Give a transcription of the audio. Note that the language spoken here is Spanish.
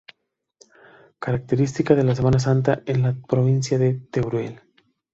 Característica de la Semana Santa en la provincia de Teruel.